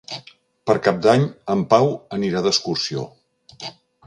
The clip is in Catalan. Per Cap d'Any en Pau anirà d'excursió.